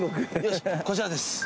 こちらです。